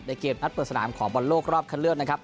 เกมนัดเปิดสนามของบอลโลกรอบคันเลือกนะครับ